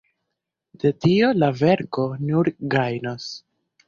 De tio la verko nur gajnos.